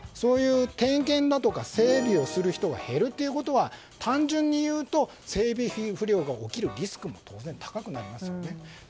点検だとか整備をする人が減るということは単純に言うと整備不良が起きるリスクも当然高くなりますよね。